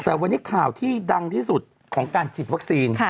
แต่วันนี้ข่าวที่ดังที่สุดของการฉีดวัคซีน